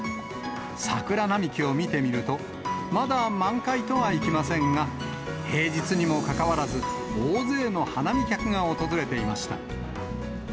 桜並木を見てみると、まだ満開とはいきませんが、平日にもかかわらず、大勢の花見客が訪れていました。